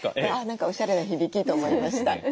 あ何かおしゃれな響きと思いました。